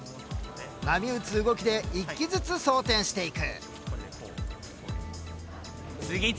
波打つ動きで１機ずつ装填していく。